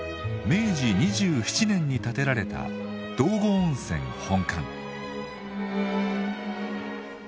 明治２７年に建てられた道後温泉本館。